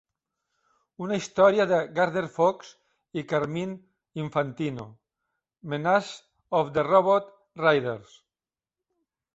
Una història de Gardner Fox i Carmine Infantino, "Menace of the Robot Raiders!"